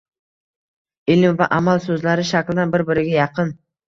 “Ilm” va “amal” so‘zlari shaklan bir-biriga yaqin.